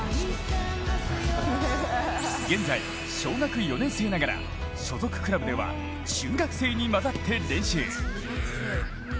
現在、小学４年生ながら所属クラブでは中学生にまざって練習。